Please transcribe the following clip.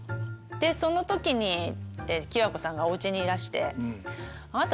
その時に喜和子さんがお家にいらして。